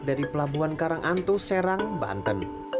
dari pelabuhan karanganto serang banten